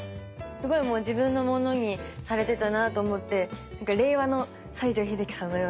すごい自分のものにされてたなと思って令和の西城秀樹さんのような感じでした。